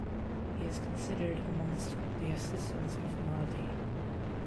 He is considered amongst the assistants of Mahdi.